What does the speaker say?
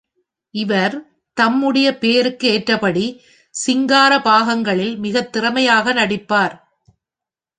இவர் தம்முடைய பெயருக்கு ஏற்ற படி சிங்கார பாகங்களில் மிகத் திறமையாக நடிப்பார்.